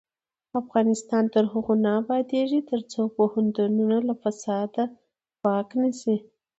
افغانستان تر هغو نه ابادیږي، ترڅو پوهنتونونه له فساده پاک نشي.